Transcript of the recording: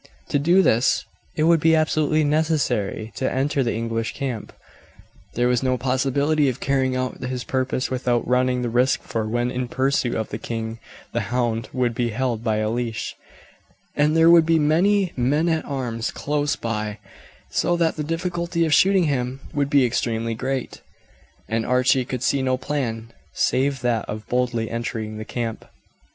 To do this it would be absolutely necessary to enter the English camp. There was no possibility of carrying out his purpose without running this risk, for when in pursuit of the king the hound would be held by a leash, and there would be many men at arms close by, so that the difficulty of shooting him would be extremely great, and Archie could see no plan save that of boldly entering the camp.